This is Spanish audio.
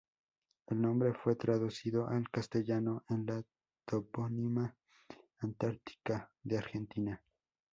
El nombre fue traducido al castellano en la toponimia antártica de Argentina.